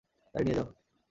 গাড়ি নিয়ে যাও।